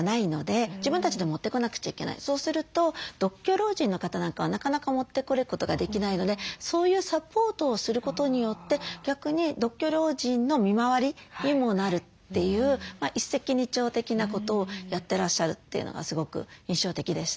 そうすると独居老人の方なんかはなかなか持ってくることができないのでそういうサポートをすることによって逆に独居老人の見回りにもなるという一石二鳥的なことをやってらっしゃるというのがすごく印象的でした。